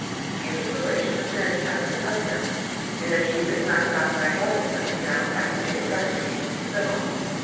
He is a relation of Mary Chiley's husband, and as she does not get on very well with them, you know, I think it is our duty to be civil.